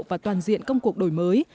và toàn diện công cuộc đổi mới